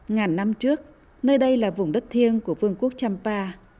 ngàn năm trước nơi đây là vùng đất thiêng của vương quốc trăm pa